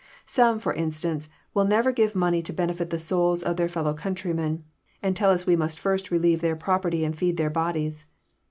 Some, for Instance, will never give money to benefit the souls of their fellow countrymen, and tell ns we must first relieve their property and feed their bodies.